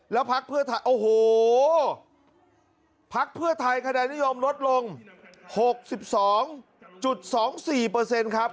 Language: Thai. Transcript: แล้วพักเพื่อไทยโอ้โหพักเพื่อไทยคะแนนนิยมลดลง๖๒๒๔ครับ